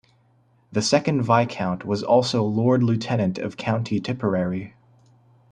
The second Viscount was also Lord-Lieutenant of County Tipperary.